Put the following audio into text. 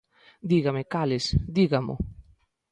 ¡Dígame cales, dígamo!